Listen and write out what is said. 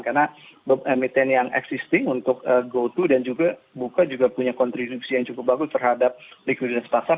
karena emiten yang existing untuk go to dan juga buka juga punya kontribusi yang cukup bagus terhadap liquiditas pasar